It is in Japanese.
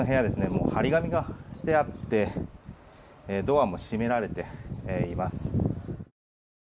もう貼り紙がしてあってドアも閉められています。